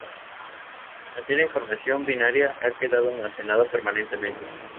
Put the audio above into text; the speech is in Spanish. Así la información binaria ha quedado almacenada permanentemente.